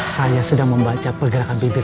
saya sedang membaca pergerakan bibit